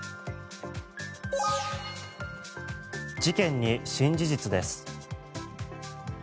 事件に新事実です。